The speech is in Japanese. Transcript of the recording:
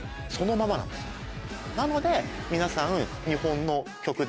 なので皆さん。